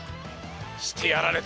してやられた。